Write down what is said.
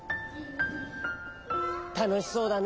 たのしそうだね。